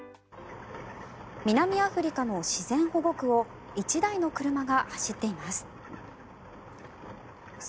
南アフリカの自然保護区を１台の車が走っています。